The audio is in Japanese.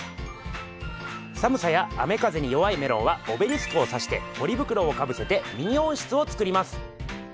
寒さや雨風に弱いメロンはオベリスクをさしてポリ袋をかぶせてミニ温室を作ります。